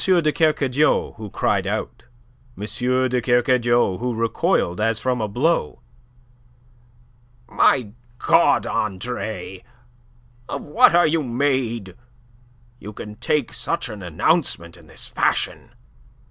de Kercadiou who cried out, M. de Kercadiou who recoiled as from a blow. "My God, Andre, of what are you made? You can take such an announcement in this fashion?"